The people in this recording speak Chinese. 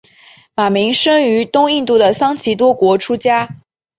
马鸣生于东印度的桑岐多国出家。